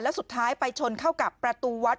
แล้วสุดท้ายไปชนเข้ากับประตูวัด